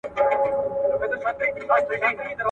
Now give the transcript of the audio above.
له هیڅ پلوه د مقایسې وړ نه دي